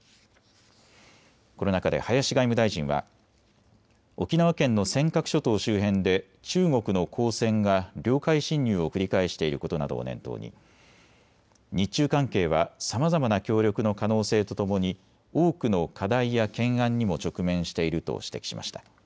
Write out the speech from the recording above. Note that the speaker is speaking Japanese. この中で林外務大臣は沖縄県の尖閣諸島周辺で中国の公船が領海侵入を繰り返していることなどを念頭に日中関係はさまざまな、協力の可能性とともに多くの課題や懸案にも直面していると指摘しました。